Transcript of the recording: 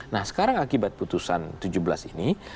nah sekarang akibat putusan tujuh belas ini